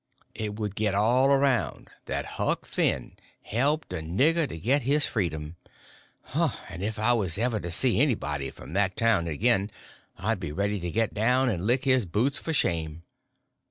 _ It would get all around that Huck Finn helped a nigger to get his freedom; and if I was ever to see anybody from that town again I'd be ready to get down and lick his boots for shame.